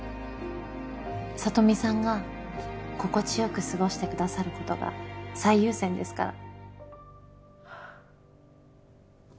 サトミさんが心地よく過ごしてくださることが最優先ですから。